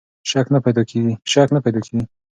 شک نه پیدا کېږي.